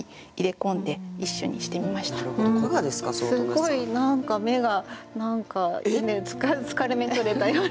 すごい何か目が何か疲れ目とれたような。